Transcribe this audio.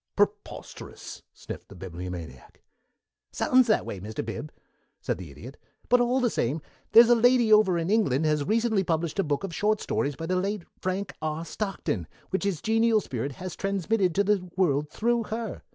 "Preposterous!" sniffed the Bibliomaniac. "Sounds that way, Mr. Bib," said the Idiot, "but, all the same, here's a lady over in England has recently published a book of short stories by the late Frank R. Stockton, which his genial spirit has transmitted to the world through her.